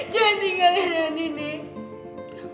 jangan tinggalin nenek